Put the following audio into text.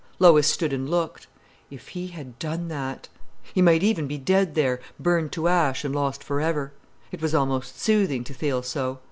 Lois stood and looked. If he had done that! He might even be dead there, burned to ash and lost for ever. It was almost soothing to feel so.